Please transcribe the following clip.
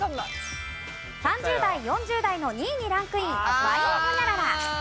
３０代４０代の２位にランクインワインホニャララ。